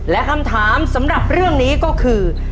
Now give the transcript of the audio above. และคำถามสำหรับเรื่องนี้ก็คือ